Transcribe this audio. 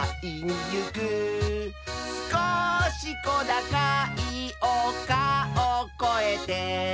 「すこしこだかいおかをこえて」